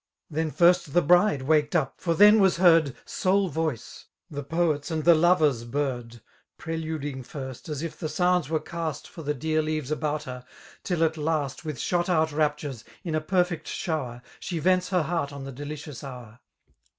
Then first the bride waked up, for then was heard. Sole voke, Uie poet's and the lover's bird. Preluding first, as if the sounds were cast For the deaf leaves about her, till at last I. With shot out raptur€8> in a perfect shower^ She vents her heart on the delicious hour.